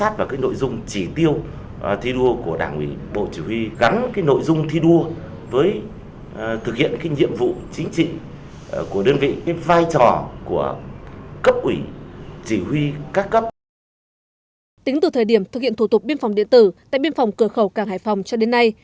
tính từ thời điểm thực hiện thủ tục biên phòng điện tử tại biên phòng cửa khẩu càng hải phòng cho đến nay